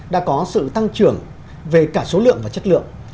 đã có sự tăng trưởng về cả số lượng và chất lượng